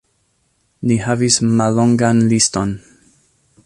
Ni havis mallongan liston.